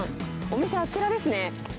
お店あちらですね。